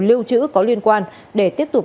liêu chữ có liên quan để tiếp tục